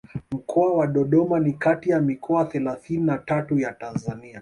Mkoa wa Dodoma ni kati ya mikoa thelathini na tatu ya Tanzania